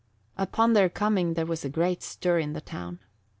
Upon their coming there was a great stir in the town.